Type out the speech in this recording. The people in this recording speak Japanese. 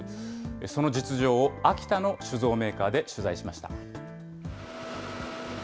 その実情を秋田の酒造メーカーで取材しました。